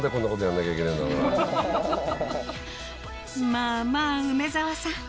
まぁまぁ梅沢さん